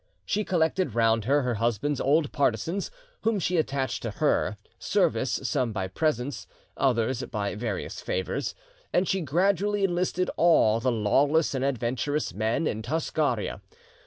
She collected round her her husband's old partisans, whom she attached to her, service, some by presents, others by various favours, and she gradually enlisted all the lawless and adventurous men in Toscaria.